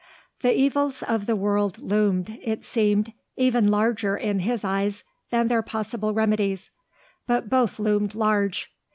The evils of the world loomed, it seemed, even larger in his eyes than their possible remedies; but both loomed large.